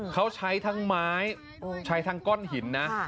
เขาใช้ทั้งไม้ใช้ทั้งก้อนหินนะ